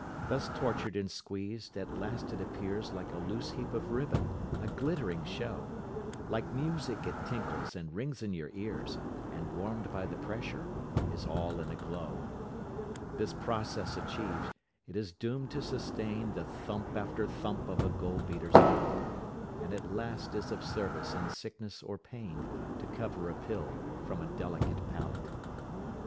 Thus tortured and squeezed, at last it appears Like a loose heap of ribbon, a glittering show, Like music it tinkles and rings in your ears, And warm'd by the pressure is all in a glow. This process achiev'd, it is doom'd to sustain The thump after thump of a gold beater's mallet, And at last is of service in sickness or pain To cover a pill from a delicate palate.